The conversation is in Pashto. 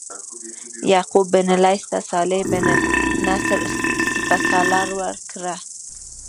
یعقوب بن لیث ته صالح بن نصر سپه سالاري ورکړه.